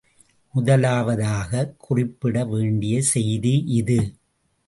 முதலாவதாகக் குறிப்பிட வேண்டிய செய்தி இது.